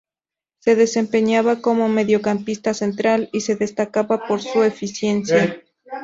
Se desempeñaba como mediocampista central y se destacaba por su eficiencia.